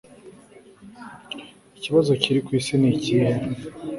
Ikibazo kiri ku isi nikihe